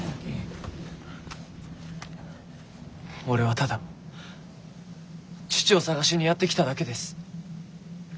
俺はただ父を探しにやって来ただけです。